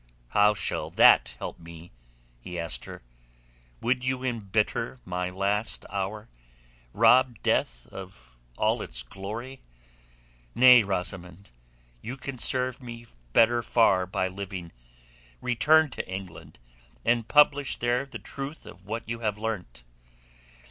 "How shall that help me?" he asked her. "Would you embitter my last hour—rob death of all its glory? Nay, Rosamund, you can serve me better far by living. Return to England, and publish there the truth of what you have learnt.